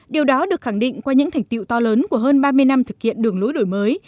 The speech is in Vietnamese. điều đó được khẳng định qua những thành tiệu to lớn của hơn ba mươi năm thực hiện đường lối đổi mới